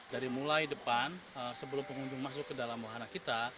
dari mulai depan sebelum pengunjung masuk ke dalam wahana kita